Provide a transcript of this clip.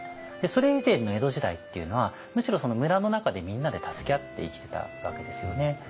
それ以前の江戸時代っていうのはむしろ村の中でみんなで助け合って生きてたわけですよね。